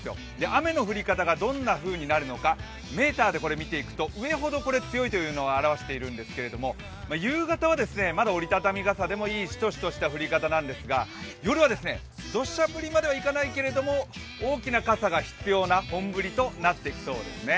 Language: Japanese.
雨の降り方がどんなふうになるのかメーターで見ていくと上ほど強いということを表しているんですけれども夕方はまだ折り畳み傘でいい、しとしととした降り方なんですが、夜は土砂降りまではいかないけれども、大きな傘が必要な本降りとなってきそうですね。